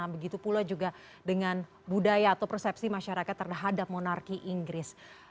begitu pula juga dengan budaya atau persepsi masyarakat terhadap monarki inggris